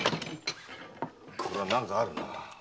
これは何かあるな。